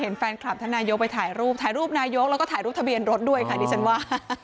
แฟนคลับท่านนายกไปถ่ายรูปถ่ายรูปนายกแล้วก็ถ่ายรูปทะเบียนรถด้วยค่ะดิฉันว่า